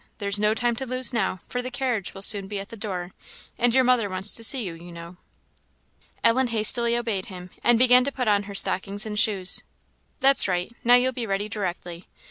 There's no time to lose now, for the carriage will soon be at the door; and your mother wants to see you, you know." Ellen hastily obeyed him, and began to put on her stockings and shoes. "That's right now you'll be ready directly.